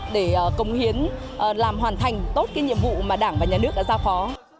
để công hiến làm hoàn thành tốt nhiệm vụ mà đảng và nhà nước đã ra phó